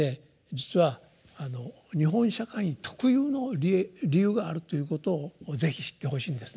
実は日本社会特有の理由があるということを是非知ってほしいんですね。